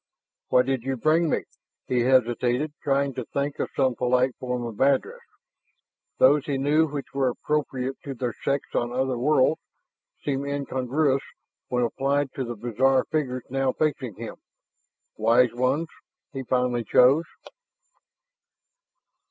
"And why did you bring me?" He hesitated, trying to think of some polite form of address. Those he knew which were appropriate to their sex on other worlds seemed incongruous when applied to the bizarre figures now facing him. "Wise ones," he finally chose.